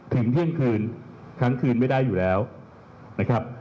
เที่ยงคืนทั้งคืนไม่ได้อยู่แล้วนะครับ